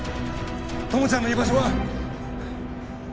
友ちゃんの居場所は？